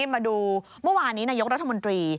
มาดูเมื่อวานนี้นายกรัฐมนตรี